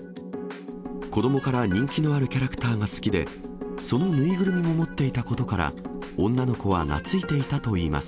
子どもから人気のあるキャラクターが好きで、その縫いぐるみを持っていたことから、女の子は懐いていたといいます。